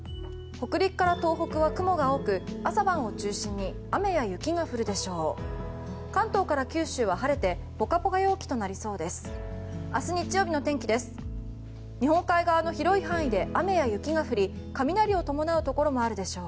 北陸から東北は雲が多く朝晩を中心に雨や雪が降るでしょう。